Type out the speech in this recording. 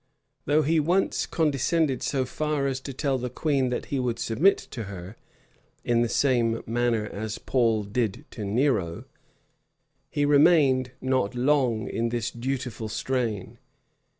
Though he once condescended so far as to tell the queen that he would submit to her, in the same manner as Paul did to Nero,[] he remained not long in this dutiful strain.